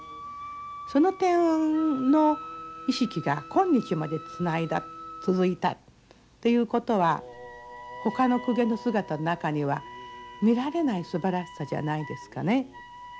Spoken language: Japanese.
その点の意識が今日までつないだ続いたっていうことはほかの公家の姿の中には見られないすばらしさじゃないですかね。